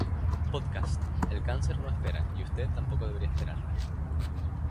Podcast: El cáncer no espera y usted tampoco debería esperar